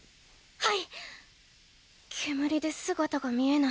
はい！